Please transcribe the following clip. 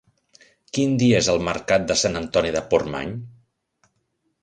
Quin dia és el mercat de Sant Antoni de Portmany?